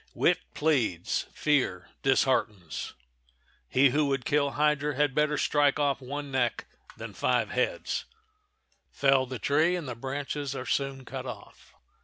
Wit pleads; fear disheartens. He who would kill hydra had better strike off one neck than five heads,—fell the tree and the branches are soon cut off.